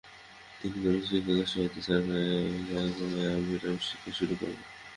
তিনি কোন শিক্ষকের সহায়তা ছাড়া একা একাই আরবীভাষা শিক্ষা শুরু করেন।